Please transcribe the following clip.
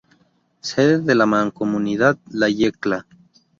Sede de la Mancomunidad La Yecla.